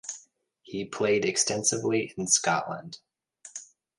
He played extensively in Scotland.